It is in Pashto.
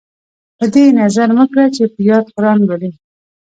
په دې یې نظر مه کړه چې په یاد قران لولي.